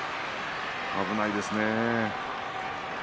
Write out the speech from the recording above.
危ないですね。